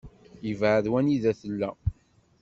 Yebεed wanida tella.